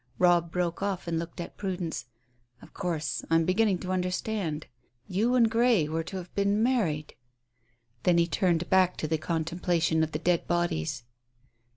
Robb broke off and looked at Prudence. "Of course, I am beginning to understand. You and Grey were to have been married." Then he turned back to the contemplation of the dead bodies.